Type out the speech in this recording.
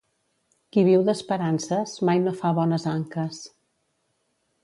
Qui viu d'esperances, mai no fa bones anques.